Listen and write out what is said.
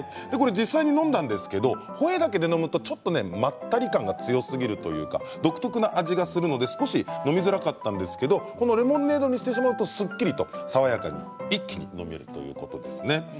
実際に飲んだんですけどホエーだけで飲むとちょっと、まったり感が強すぎるというか独特な味がするんですが少し飲みづらかったんですがレモネードにしてしまうとすっきりと爽やかに一気に飲めるということです。